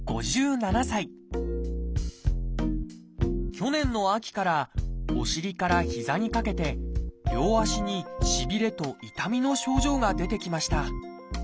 去年の秋からお尻から膝にかけて両足にしびれと痛みの症状が出てきました。